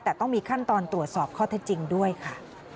แต่ต้องมีขั้นตอนตรวจสอบข้อเท็จจริงด้วยค่ะ